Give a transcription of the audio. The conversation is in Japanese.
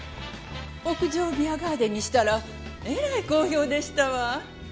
屋上をビアガーデンにしたらえらい好評でしたわ。